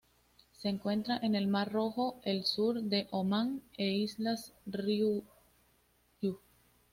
Se encuentra en el Mar Rojo, el sur de Omán e Islas Ryukyu.